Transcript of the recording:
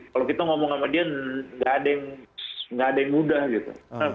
kalau kita ngomong sama dia nggak ada yang mudah gitu